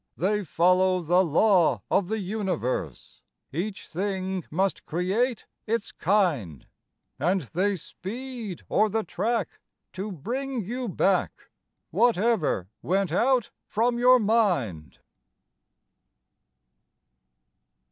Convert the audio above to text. They follow the law of the universe— Each thing must create its kind; And they speed o'er the track to bring you back Whatever went out from your mind.